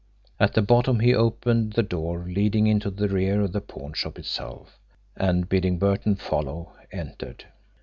At the bottom, he opened the door leading into the rear of the pawnshop itself, and, bidding Burton follow, entered.